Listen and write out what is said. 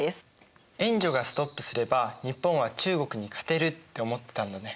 援助がストップすれば日本は中国に勝てるって思ってたんだね。